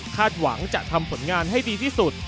หวังจะทำผลงานให้ดีที่สุด